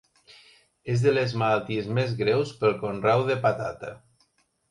És de les malalties més greus pel conreu de patata.